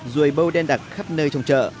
ruồi bâu đen đặc khắp nơi trong chợ